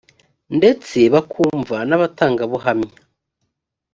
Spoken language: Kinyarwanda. ndetse bakumva n abatangabuhamya